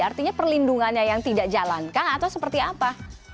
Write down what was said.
artinya perlindungannya yang tidak jalankan atau seperti apa